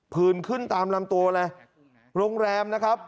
ื่นขึ้นตามลำตัวเลยโรงแรมนะครับ